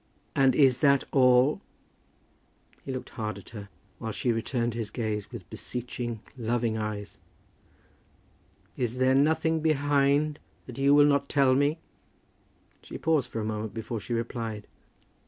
"And is that all?" He looked hard at her, while she returned his gaze with beseeching loving eyes. "Is there nothing behind, that you will not tell me?" She paused for a moment before she replied.